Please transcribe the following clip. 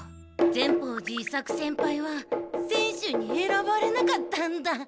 善法寺伊作先輩は選手にえらばれなかったんだ。